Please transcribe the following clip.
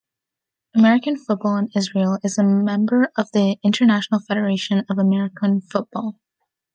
American Football in Israel is a member of the International Federation of American Football.